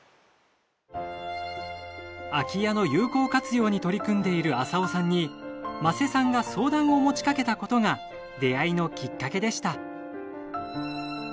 空き家の有効活用に取り組んでいる浅尾さんに間瀬さんが相談を持ちかけたことが出会いのきっかけでした。